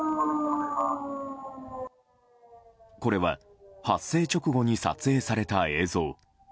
これは、発生直後に撮影された映像。